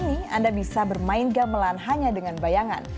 kini anda bisa bermain gamelan hanya dengan bayangan